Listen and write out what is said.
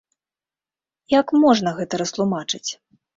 Як можна гэта растлумачыць?